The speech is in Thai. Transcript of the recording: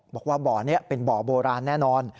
บอกว่าบ่อนี้เป็นบ่อโบราณแน่นอน